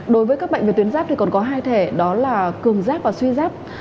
đối với các bệnh về tuyến giáp thì còn có hai thể đó là cường giáp và suy giáp